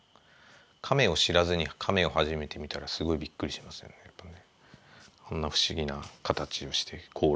カメを知らずにカメを初めて見たらすごいびっくりしますよねやっぱね。